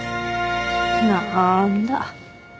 なんだ。